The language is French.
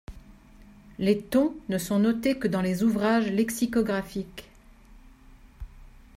Les tons ne sont notés que dans les ouvrages lexicographiques.